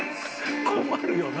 困るよな？